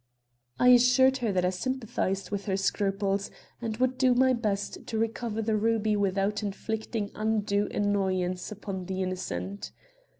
I assured her that I sympathized with her scruples and would do my best to recover the ruby without inflicting undue annoyance upon the innocent.